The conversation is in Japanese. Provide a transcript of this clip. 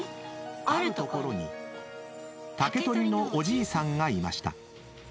［あるところに竹取りのおじいさんがいました］